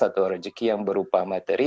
atau rezeki yang berupa materi